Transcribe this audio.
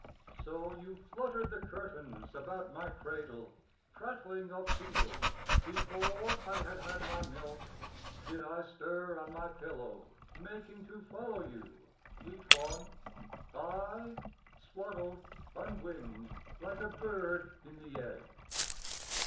So you fluttered the curtains about my cradle, Prattling of fields Before I had had my milk... Did I stir on my pillow, making to follow you, Fleet One? I swaddled, unwinged, like a bird in the egg.